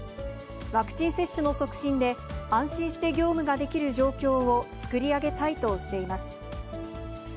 ワクチン接種の促進で、安心して業務ができる状況を作り上げたいとしています。